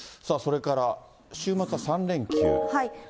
それから週末は３連休。